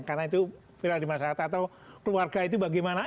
karena itu viral di masyarakat atau keluarga itu bagaimana